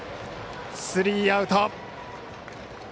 スリーアウト。